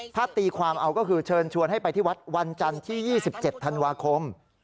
ถ้าตีความเอาก็คือเชิญชวนให้ไปที่วัดวันจันทร์ที่๒๗ธันวาคม